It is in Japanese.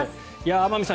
天海さん